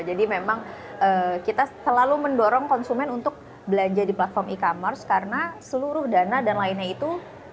jadi memang kita selalu mendorong konsumen untuk belanja di platform e commerce karena seluruh dana dan lainnya itu